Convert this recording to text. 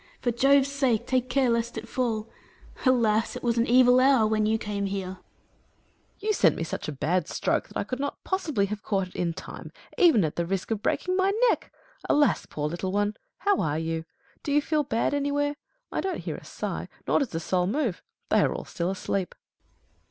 For Jove's sake, take care lest it fall ! Alas ! it was an evil hour when you came here. Hercules. You sent me such a bad stroke that I could not possibly have caught it in time, even at the risk of breaking my neck. Alas, poor little one !... How are you ? Do you feel bad anywhere ? I don't hear a sigh, nor does a soul move. They are all still asleep.